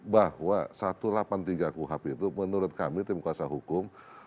bahwa satu ratus delapan puluh tiga kuhp itu menurut kami tim kuasa hukum